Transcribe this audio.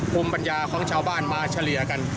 ภูมิปัญญาของชาวบ้านมาเฉลี่ยกัน